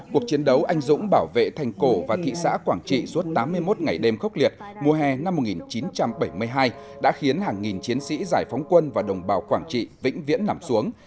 cuộc chiến đấu anh dũng bảo vệ thành cổ và thị xã quảng trị suốt tám mươi một ngày đêm khốc liệt mùa hè năm một nghìn chín trăm bảy mươi hai đã khiến hàng nghìn chiến sĩ giải phóng quân và đồng bào quảng trị vĩnh viễn nằm xuống